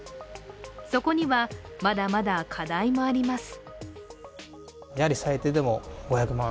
そこには、まだまだ課題もあります。